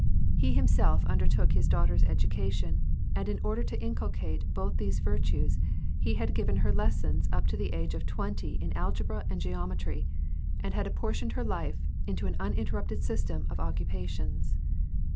He himself undertook his daughter's education, and in order to inculcate both these virtues he had given her les sons up to the age of twenty in algebra and geometry, and had apportioned her life into an uninterrupted system of occupations.